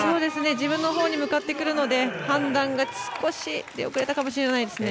自分のほうに向かってくるので判断が少し遅れたかもしれませんね。